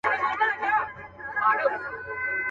ماته مي شناختو د شهید پلټن کیسه کړې ده.